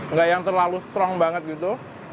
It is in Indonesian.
nggak yang terlalu strong banget gitu